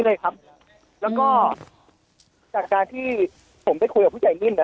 เลยครับแล้วก็จากการที่ผมไปคุยกับผู้ใหญ่นิ่มอ่ะ